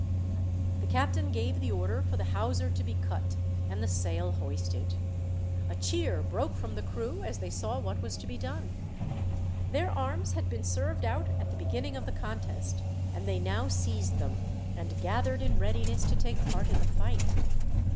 The captain gave the order for the hawser to be cut, and the sail hoisted. A cheer broke from the crew as they saw what was to be done. Their arms had been served out at the beginning of the contest, and they now seized them, and gathered in readiness to take part in the fight.